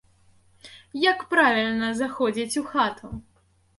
Як правільна заходзіць у хату?